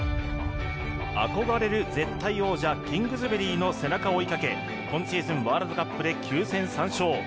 憧れる絶対王者キングズベリーの背中を追いかけ今シーズン、ワールドカップで９戦３勝。